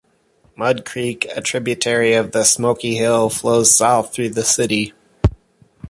Mud Creek, a tributary of the Smoky Hill, flows south through the city.